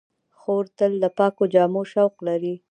خور تل د پاکو جامو شوق لري.